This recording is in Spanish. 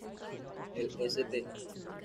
El St.